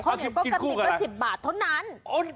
ก็กระจิกว่า๑๐บาทเท่านั้น